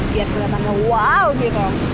biar keliatan lu wow gitu